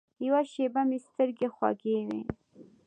یوه شېبه مې سترګې خوږې وې.